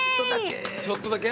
ちょっとだけ。